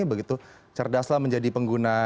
begitu cerdaslah menjadi pengguna